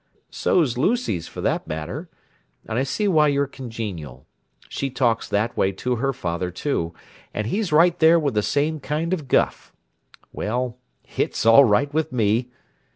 So's Lucy's for that matter; and I see why you're congenial. She talks that way to her father, too; and he's right there with the same kind of guff. Well, it's all right with me!"